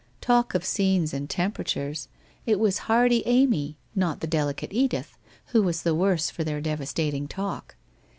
Talk of scenes and temperatures! It was tbe hardy Amy, not the delicate Bdith, who was the worse for their devastating talk.